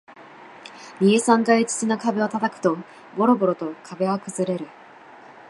二、三回土の壁を叩くと、ボロボロと壁は崩れる